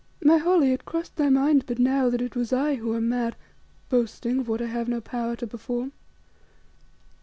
My Holly, it crossed thy mind but now that it was I who am mad, boasting of what I have no power to perform.